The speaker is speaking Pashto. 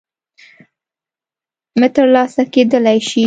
م ترلاسه کېدلای شي